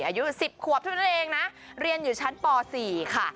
อายุ๑๐ขวบเท่านั้นเองนะเรียนอยู่ชั้นป๔ค่ะ